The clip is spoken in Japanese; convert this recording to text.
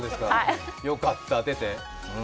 よかった、出て。